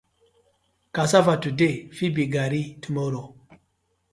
Cassava today fit be Garri tomorrow.